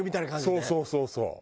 そうそうそうそう。